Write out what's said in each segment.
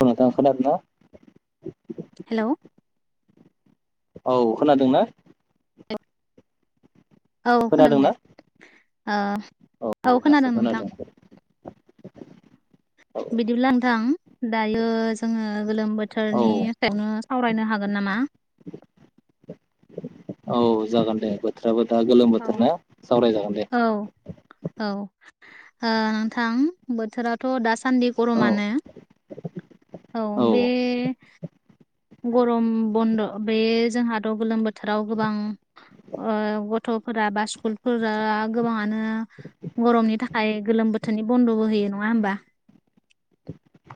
[unintelligible] खोना दोंना? हेल' औ खोनादोंना? औ खोनादों खोनादोंना दे ओ औ दासो खोनादों। बिदि ब्लानोंथां दायो जोङो गोलोम औ बोथोरनि सायावनो सावरायनो हागोन नामा? औ जागोन दे बोथोराबो दा गोलोम औ बोथोरना सावरायजागोन औ दे औ ओ नोंथां बोथोराथ' दास सान्दि औ गरमानो औ बे गरम बन्द' बे जोंहाथ' गोलोम बोथोराव गोबां ओ गथ'फोरा बा स्कुलफोरा गोबाङानो गरमनि थाखाय गोलोम बोथोरनि बन्द'बो होयो नङा होमबा?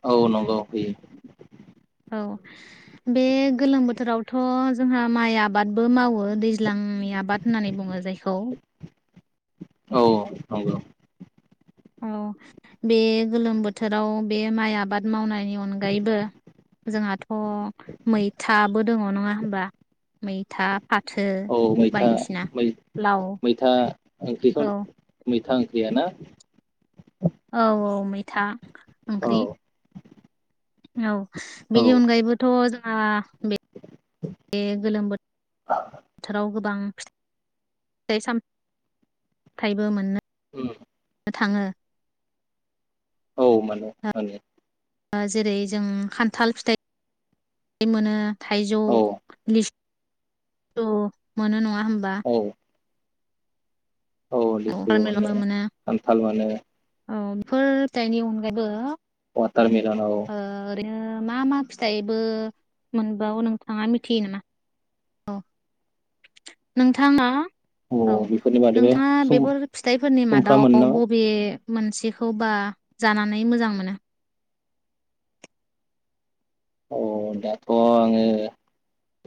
औ नंगौ होयो औ बे गोलोम बोथोरावथ' जोंहा माइ आबादबो मावो दैज्लांनि आबाद होननानै बुङो जायखौ औ नंगौ औ बे गोलोम बोथोराव बे माइ आबाद मावनायनि अनगायैबो जोंहाथ' मैथाबो दङ नङा हबा मैथा फाथो औ मैथा बायदिसिना मै लाव मैथा ओंख्रिखौ औ मैथा गैयाना? औ औ मैथा औ ओंख्रि औ औ बेनि अनगायैबोथ' जोंहा बे बे गोलोम बोथोर बोथोराव गोबां फिथ थाइ साम थाइबो मोननो उम थाङो। औ मोनो मोनो ओ जेरै जों खान्थाल फिथाइ इ मोनो थाइजौ औ लिस सु मोनो नङा होमबा। औ औ लिसु मोनो पारमेलनबो खान्थाल मोनो। औ फोर थाइनि अनगायैबो तारमिलन औ ओरैनो मा मा फिथाइबो मोनबावो नोंथाङा मिथियो नामा औ नोंथाङा औ बेफोरनि बादैबो नोंथाङा सुम बेफोर फिथाइफोरनि सुमफ्राम मोनो मादाव नामा बबे मोनसेखौबा जानानै मोजां मोनो? औ दाथ' आङो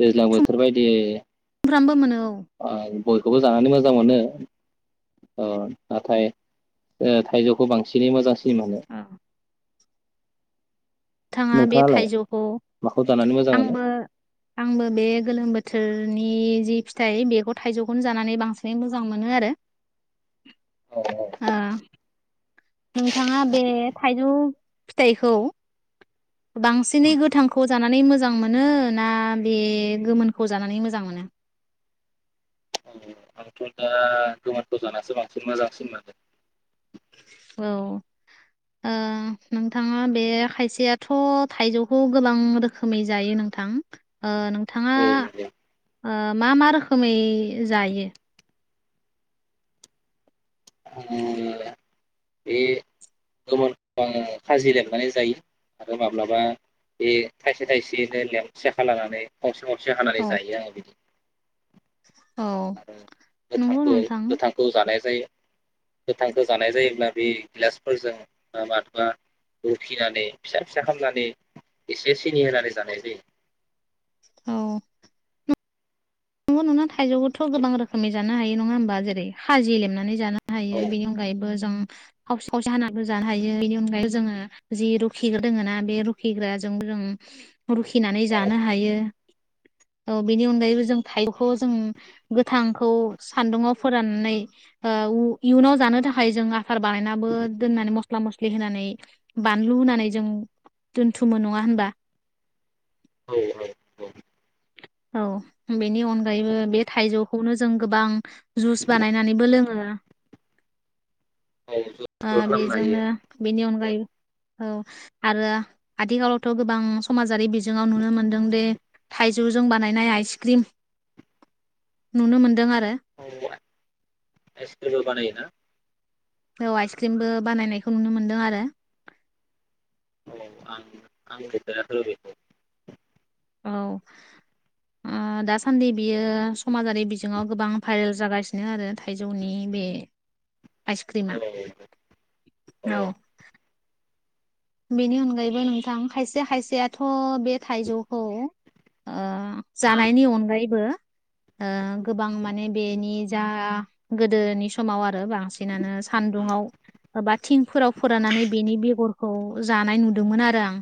दैज्लां बोथोर बायदियै फ्रामबो मोनो। औ आइ बयखौबो जानानै मोजां मोनो ओ नाथाय ओ थाइजौखौ बां सिनै मोजांसिन मोनो। थाङा बे नोंथाङालाय थाइजौखौ माखौ जानानै मोजां मोनो? आंबो आंबो बे गोलोम बोथोरनि नि जि फिथाइ बेखौ थाइजौखौनो जानानै बांसिनै मोजां मोनो आरो औ औ। ओम। नोंथांङा बे थाइजौ फिथाइखौ बांसिनै गोथांखौ जानानै मोजां मोनो ना बे गोमोनखौ जानानै मोजां मोनो? औ [inaudible] आंथ' दा गोमोन गोजानासो बांसिन मोजांसिन मोनदों औ ओ नोंथांङा बे खायसेयाथ' थाइजौखौ गोबां रोखोमै जायो नोंथां? ओ‌ नोंथांङा औ नंगौ ओ मा मा रोखोमै जायो? आङो बे गोमोनखौ खाजि लेमनानै जायो आरो माब्लाबा बे थाइसे थाइसेयैनो लेब सेखा लानानै खावसे खावसे हानानै औ जायो आङो बिदि। औ आरो नंगौ गोथांखौ नोंथां गोथांखौ जानाय जायो। गोथांखौ जानाय जायोब्ला बे गिलासफोरजों माबाथबा रुखिनानै फिसा फिसा खामनानै एसे सिनि होनानै जानाय जायो। औ नङो नना [unintelligible] थाइजौखौथ' गोबां रोखोमनि जानो हायो नङा होमबा जेरै खाजि लेमनानै जानो औ हायो बेनि अनगायैबो जों खावसे खावसे हानानैबो जानो हायो बेनि अनगायै जोङो जि रुखिग्रा दोङो ना बे रुखिग्राजों जों रुखिनानै औ जानो हायो औ बिनि अनगायैबो जों थाइजौखौ जों गोथांखौ सान्दुंआव फोराननानै ओ इयुनाव जानो थाखाय जों आसार बानायनाबो दोनना मस मस्ला मस्लि होनानै बानलु होनानै जों दोनथुमो नङा होमबा औ औ औ औ बेनि अनगायैबो बे थाइजौखौनो जों गोबां जुस बानायनानैबो लोंङो उम औ औ ओ जबो खालामनो हायो बेजोंनो बेनि अनगायै औ आरो आथिखालावथ गोबां समाजारि बिजोंङाव नुनो मोनदों दि थाइजौजों बानायनाय आइस क्रिम नुनो मोनदों आ [unintelligible] आइसक्रिमबो बानायो ना औ आइसक्रिमबो बानायनायखौ नुनो मोनदों आरो [unintelligible] औ आ दा सान्दि बियो समाजारि बिजोङाव गोबां भाइरेल जागासिनो आरो थाइजौनि बे आइसक्रिमा औ औ बेनि अनगायैबो नोंथां खायसे खायसेयाथ बे थाइजौखौ ओ उम जानायनि अनगायैबो ओ गोबां माने बेनि जा गोदोनि समाव आ रो बांसिनानो सान्दुुङाव बा थिंफोराव फोराननानै बेनि बेगर खौ जानाय नुदोंमोन आरो आं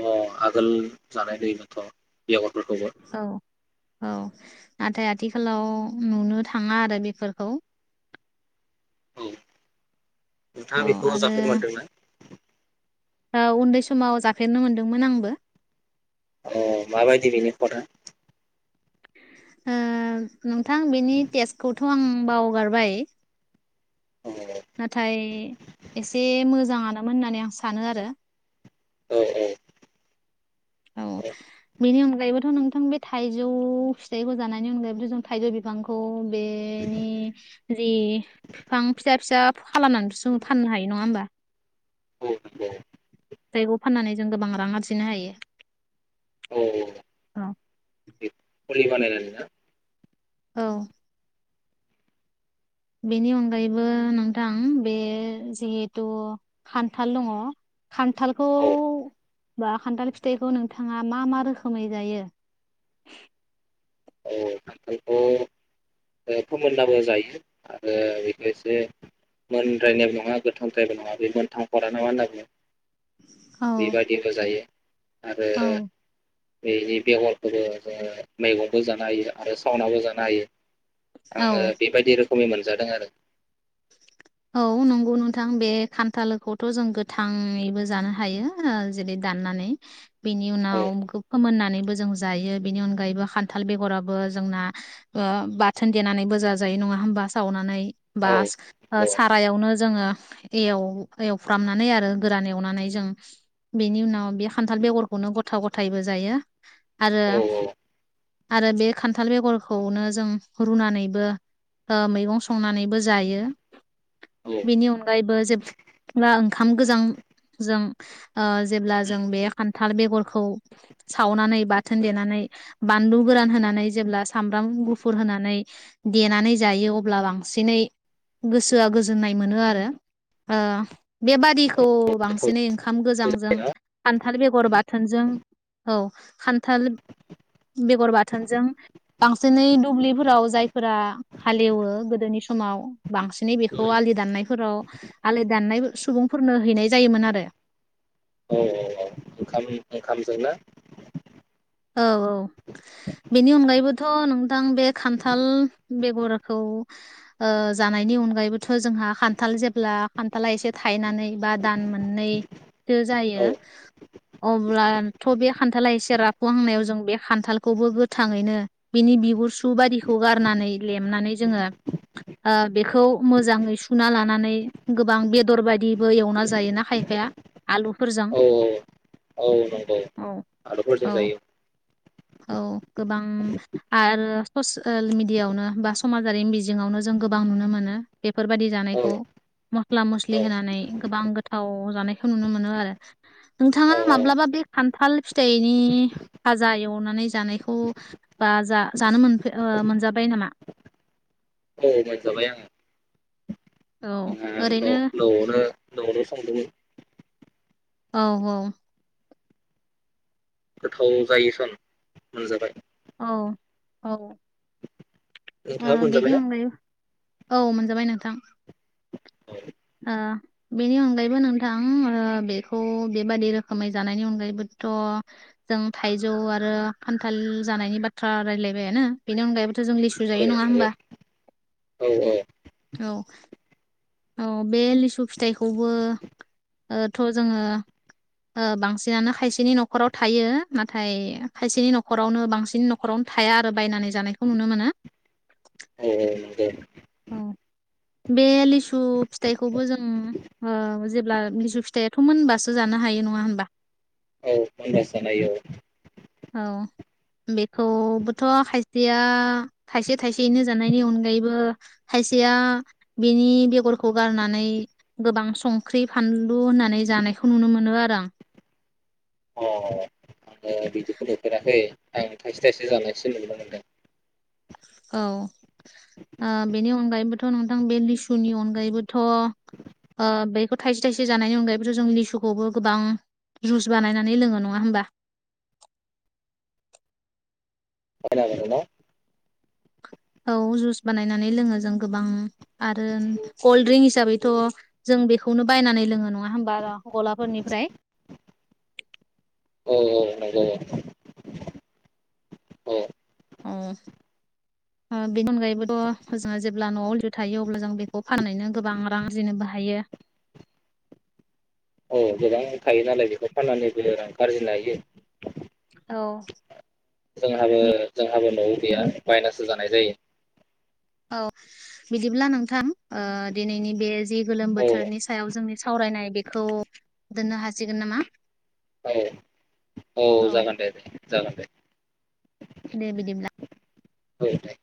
अ आगोल जानाय नुयोमोनथ बेगर औ औ नाथाय आथिखालाव नुनो थाङा आरो बेफोरखौ औ नोंथाङा औ बेखौ आरो जाफेरनो मोनदों ना ओ उन्दै समाव जाफेरनो मोनदोंमोन आंबो अ माबायदि बेनो खदा ओ नोंथां बेनि टेस्टखौथ आं बावगारबाय अ नाथाय एसे मोजाङानोमोन होननानै आं सानो आरो औ औ औ बेनि अन गायैबोथ' नोंथां बे थाइजौ फिथाइखौ जानायनि अनगायैबोथ' जों थाइजौ बिफांखौ बेनि जि बिफां फिसा फिसा खालामनानै जों फाननो हायो नङा होमबा औ नंगौ जायग' फाननानै जों गोबां रां आरजिनो हायो औ औ मुलि बानायनाय जायोमोन ना औ बेनि अनगायैबो नोंथां बे जिहेथु खान्थाल दङ खान्थालखौ औ बा खान्थाल फिथाइखौ नोंथाङा मा मा रोखोमै जायो,? औ खान्थालखौ ओ फोमोननाबो जायो आरो बेखौ एसे मोनद्रायनायबो नङा गोथांद्रायबो नङा बे मोनथांखोराआरा ना मा होनना बुङो औ बेबादिबो जायो आरो औ बेनि बेगरखौबो जोङो मैगंबो जानो हायो आरो सावनाबो जानो हायो औ आं बे बायदि खम मोनजादों आरो। औ नंगौ नोंथां बे खान्थालोखौथ' जों गोथाङैबो जानो हायो जेरै दाननानै। बेनि औ उनाव फोमोननाय नानैबो जों जायो बेनि अनगायैबो खान्थाल बेगराबो जोंना बाथोन देनानैबो जाजायो नङा होमबा सावनानै। औ बास सारायावनो जोङो एव एवफ्रामनानै आरो गोरान एवनानै जों बेनि उनाव बे खान्थाल बेगरखौनो गथ' गथायबो जायो। आरो औ आरो बे खान्थाल बेगरखौनो जों रुनानैबो मैगं संनानैबो जायो। औ बेनि अनगायैबो जेब्ला ओं। ओंखाम गोजांजों जेब्ला जों बे हाल बेगरखौ सावनानै बाथोन देनानै बानलु गोरान होनानै जेब्ला सामब्राम गुफुर होनानै देनानै जायो अब्ला बांसिनै गोसोआ गोजोननाय मोनो आरो ओ। बेबादिखौ गोथाव बांसिनै ओंखाम गोजांजों जायोना औ खान्थाल बेगर बा बाथोनजों औ खान्थाल बेगर बाथोनजों बांसिनै दुब्लिफोराव जायफोरा हालेवो गोदोनि समाव। बांसिनै औ बेखौ आलि दाननायफोराव आलि दाननाय सुबुंफोरनो हैनाय जायोमोन आरो। औ औ औ ओंखाम ओंखामजों ना? औ औ बेनि अनगायैबोथ' नोंथां बे खान्थाल बेगरखौ ओ जानायनि अनगायैबोथ' जोंहा खान्थाल जेब्ला खान्थाला एसे थायनानै बा दान मोननैसो जायो औ अब्लाथ' बे खान्थाला एसे रफ हुखुंहांनायाव जों बे खान्थालखौबो गोथाङैनो बेनि बिगुर सु बायदिखौ गारनानै लेमनानै जोङो बेखौ मोजाङै सुना लानानै गोबां बेदर बायदिबो एवना जायोना खायफाया आलुफोरजों औ औ। बुरजा जायो। औ गोबां आरो ससियेल मिेडियाआवनो बा समाजारि मिजिङावनो जों गोबां नुनो मोनो बेफोरबादि औ जानायखौ मस्ला-मस्लि औ होनानै गोबां गोथाव जानायखौ नुनो मोनो आरो औ नोंथाङा औ माब्लाबा बे खान्थाल फिथाइनि नि फाजा एवनानै जानायखौ बा ज मोनजाबाय नामा? औ मोनजाबाय आङो। औ आंहा ओरैनो न-न'आवनो [unintelligible] औ औ। औ जायोसन मोनजाबाय। औ औ। नोंथाङा बेनि मोनजाबायना? अनगायै औ मोनजाबाय नोंथां। औ ओ बेनि अनगायैबो नोंथां ओ बेखौ बेबादि रोखोमै जानायनि अनगायैबोथ' जों थाइजौ आरो खान्थाल जानायनि बाथ्रा रायलायबायानो बेनि अनगायैबोथ' जों लिसु औ जायो नङा नंगौ होमबा, औ औ। औ बे लिसु फिथाइखौबो ओथ' जोङो ओ बांसिनानो खायसेनि न'खराव थायो नाथाय खायसेनि न'खरावनो बांसिन न'खरावनो थाया आरो बायनानै जानायखौ नुनो मोनो। औ नंगौ औ बे लिसु फिथाइखौबो जों ओ जेब्ला लिसु फिथाइयाथ' मोनबासो जानो हायो नङा होनबा? औ मोनबासो जानो हायो औ। औ बेखौबोथ' खायसेया थाइसे थाइसेयैनो जानायनि अनगायैबो खायसेया बेनि बेगरखौ गारनानै गोबां संख्रि फानलु होनानै जानायखौ नुनो मोनो आरो आं फेराखै आं थाइसे थाइसे जानायसो नुनो मोनदों। औ ओ बेनि अनगायैबोथ' नोंथां बे लिसुनि अनगायैबोथ' ओ बेखौ थाइसे थाइसे जानायनि अनगायैबोथ' जों लिसुखौबो गोबां जुस बानायनानै लोङो नङा होमबा? बायना मोनो न' औ जुस बानायनानै लोङो जों गोबां आरो कल्ड द्रिंक हिसाबैथ' जों बेखौनो बायनानै लोङो नङा होमबा गलाफोरनिफ्राय। औ नंगौ औ ओ ओ बेनि अनगायैबोथ' जों जेब्ला न'आव [unintelligible] थायो अब्ला जों बेखौ फाननानो गोबां रां आरजिनोबो हायो। औ गोबां थायो नालाय बेखौ फाननानैबो रांखौ आरजिनो हायो। औ। जों हाबो जों हाबो न'आव गैया बायनासो जा नाय जायो। औ बिदिब्ला नोंथां ओ दिनैनि बे जि गोलोम औ बोथोरनि सायाव जोंनि सावरायनाय बेखौ दोननो हासिगोन नामा? औ औ जागोन दे। जागोन दे। दे बिदिब्ला। औ दे।